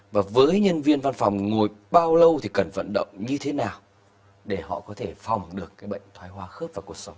và với nhân viên văn phòng ngồi bao lâu thì cần vận động như thế nào để họ có thể phòng được bệnh thoái hóa khớp và cuộc sống